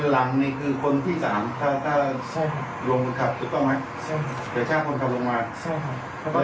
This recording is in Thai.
อ๋อสรุปว่าคนที่ซ้อนตายคนที่สองเป็นคนแทง